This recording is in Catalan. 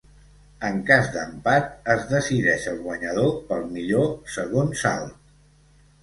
En cas d'empat es decideix el guanyador pel millor segon salt.